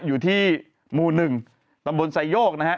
อยู่ที่มูลหนึ่งตำบลไซโยกนะฮะ